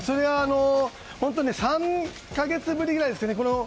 本当に３か月ぶりぐらいですかね。